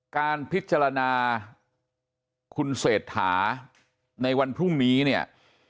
การพิจารณาคุณเศรษฐาในวันพรุ่งนี้เนี่ย